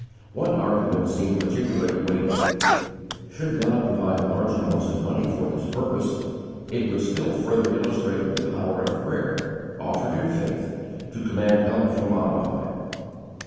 One argument seemed particularly weighty: Should God provide large amounts of money for this purpose, it would still further illustrate the power of prayer, offered in faith, to command help from on high.